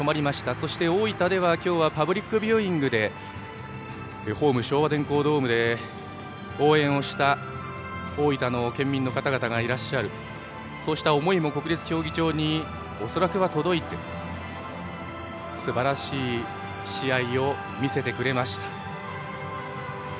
そして大分ではパブリックビューイングでホーム、昭和電工ドームで応援した大分の県民の方々がいらっしゃるそうした思いも国立競技場に恐らくは届いてすばらしい試合を見せてくれました。